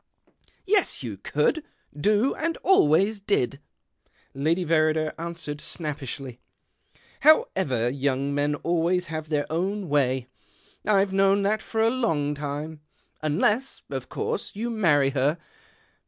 " Yes, you could, do, and always did," 156 THE OCTAVE OF CLAUDIUS. Lady A^errider answered snappishly, " How ever, young men always have their own way — I've known that for a long time. Unless, of course, you marry her.